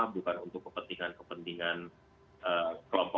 bukan untuk kepentingan kepentingan kelompok